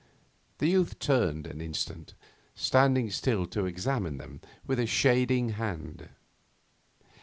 The youth turned an instant, standing still to examine them with a shading hand.